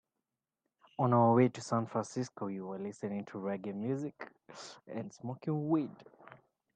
On our way to San Francisco, we were listening to reggae music and smoking weed.